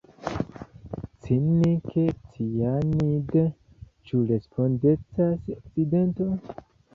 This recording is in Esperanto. Cinike cianide – ĉu respondecas Okcidento?